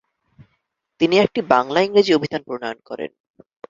তিনি একটি বাংলা-ইংরেজি অভিধান প্রণয়ন করেন।